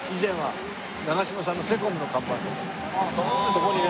そこにね。